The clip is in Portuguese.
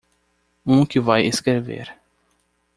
Um que vai escrever.